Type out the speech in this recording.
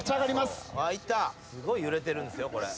すごい揺れてるんですよこれ。